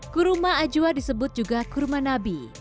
kurma ajwa disebut juga kurma nabi